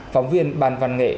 phóng viên ban văn nghệ